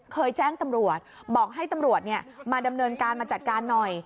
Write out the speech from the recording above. เคยแจ้งตำรวจบอกให้ตำรวจมาดำเนินการมาจัดการหน่อย